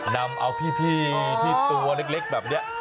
นำเอาพี่ที่ตัวเล็กแบบนี้